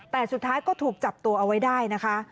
แต่สุดท้ายก็ถูกจับตัวเอาไว้ได้นะคะ